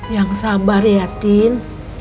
yang sabar ya tin